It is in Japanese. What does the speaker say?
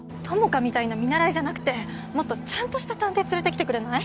朋香みたいな見習いじゃなくてもっとちゃんとした探偵連れてきてくれない？